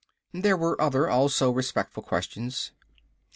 There were other, also respectful questions.